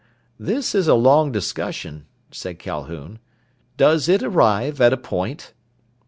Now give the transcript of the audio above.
"This is a long discussion," said Calhoun. "Does it arrive at a point?"